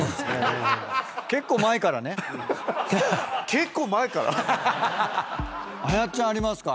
結構前から⁉あやっちゃんありますか？